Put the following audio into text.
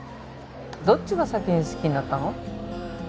どっちが先に好きになったの？